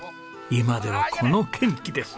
今ではこの元気です。